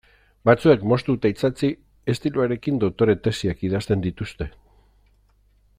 Batzuek moztu eta itsatsi estiloarekin doktore tesiak idazten dituzte.